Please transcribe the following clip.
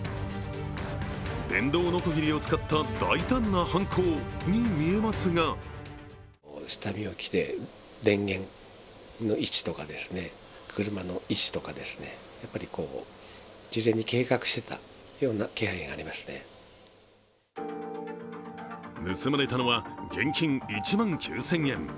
電動のこぎりを使った大胆な犯行に見えますが盗まれたのは現金１万９０００円。